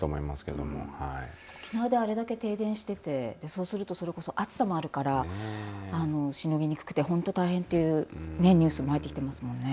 あれだけ停電していてそうするとそれこそ暑さもあるからしのぎにくくて本当大変というニュースも入ってきてますね。